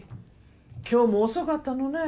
今日も遅かったのねぇ。